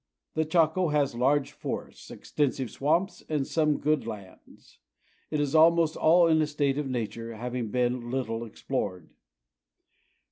The Chaco has large forests, extensive swamps, and some good lands. It is almost all in a state of nature, having been little exp)lored.